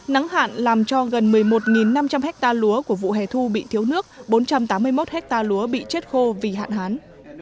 nắng hạn làm cho gần một mươi một năm trăm linh hectare lúa của vụ hè thu bị thiếu nước bốn trăm tám mươi một hectare lúa bị chết khô vì hạn hán